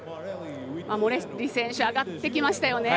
モレッリ選手上がってきましたよね。